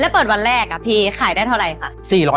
แล้วเปิดวันแรกพีกขายได้เท่าไหร่